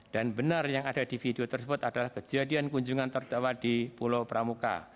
dan benar yang ada di video tersebut adalah kejadian kunjungan terdakwa di pulau pramuka